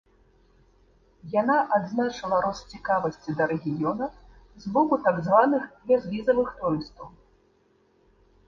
Яна адзначыла рост цікавасці да рэгіёна з боку так званых бязвізавых турыстаў.